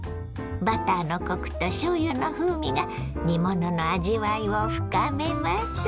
バターのコクとしょうゆの風味が煮物の味わいを深めます。